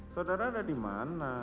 saudara ada dimana